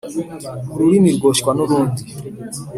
Ururimi rwoshywa nurundi